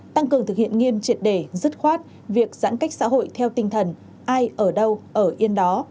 tăng cường thực hiện nghiêm triệt đề dứt khoát việc giãn cách xã hội theo tinh thần ai ở đâu ở yên đó